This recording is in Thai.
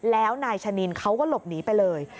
แล้วนายชะนินเขาก็หลบหนีไปเลย